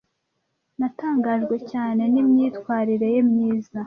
Natangajwe cyane n'imyitwarire ye myiza.